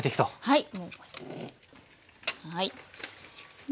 はい。